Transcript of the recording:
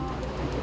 dia tanya main apa